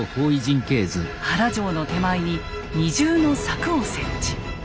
原城の手前に二重の柵を設置。